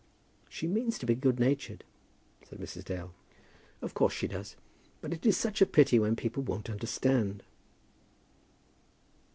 "She means to be good natured," said Mrs. Dale. "Of course she does. But it is such a pity when people won't understand."